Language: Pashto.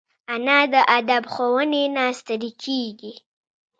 انا د ادب ښوونې نه ستړي کېږي